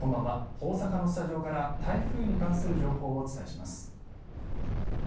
大阪のスタジオから台風に関する情報をお伝えします。